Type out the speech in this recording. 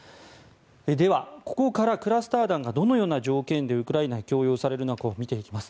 では、ここからクラスター弾がどのような条件でウクライナへ供与されるのかを見ていきます。